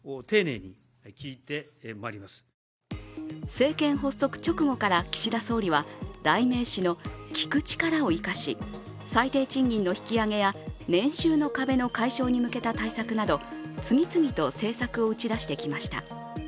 政権発足直後から岸田総理は代名詞の聞く力を生かし最低賃金の引き上げや年収の壁の解消に向けた対策など、次々と政策を打ち出してきました。